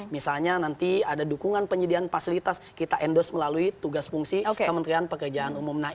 misalnya nanti ada dukungan penyediaan fasilitas kita endorse melalui tugas fungsi kementerian pekerjaan umum